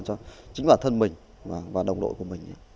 chính là thân mình và đồng đội của mình